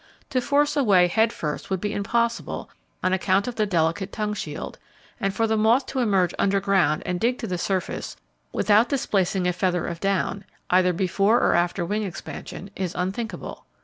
To force a way head first would be impossible on account of the delicate tongue shield, and for the moth to emerge underground and dig to the surface without displacing a feather of down, either before or after wing expansion, is unthinkable.